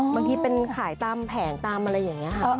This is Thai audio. บางทีเป็นขายตามแผงตามอะไรอย่างนี้ค่ะ